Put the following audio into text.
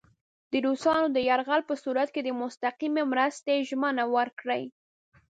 د روسانو د یرغل په صورت کې د مستقیمې مرستې ژمنه ورکړي.